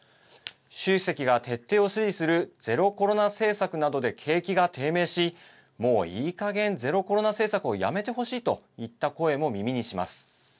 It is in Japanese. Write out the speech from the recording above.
習主席が徹底を指示するゼロコロナ政策などで景気が低迷しもういいかげんゼロコロナ政策をやめてほしいといった声も耳にします。